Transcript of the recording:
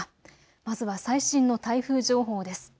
まずは最新の台風情報です。